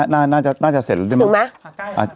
น่าจะเสร็จได้ไหม